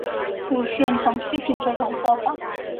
鲁迅曾批评这种做法。